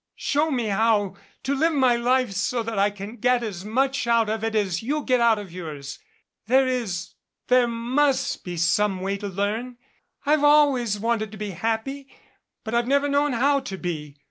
"Show me how to live my life so that I can get as much out of it as you get out of yours. There is there must be some way to learn. I've always wanted to be happy, but I've never known how to be.